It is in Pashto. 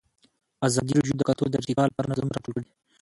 ازادي راډیو د کلتور د ارتقا لپاره نظرونه راټول کړي.